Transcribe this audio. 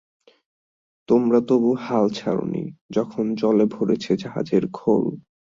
তোমরা তবু হাল ছাড় নি যখন জলে ভরেছে জাহাজের খোল।